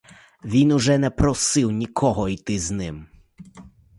Він уже не просив нікого йти з ним.